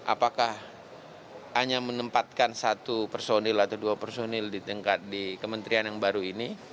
apakah hanya menempatkan satu personil atau dua personil di tingkat di kementerian yang baru ini